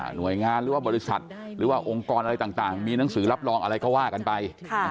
หน่วยงานหรือว่าบริษัทหรือว่าองค์กรอะไรต่างมีหนังสือรับรองอะไรก็ว่ากันไป